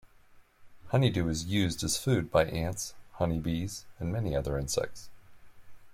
Honeydew is used as food by ants, honeybees, and many other insects.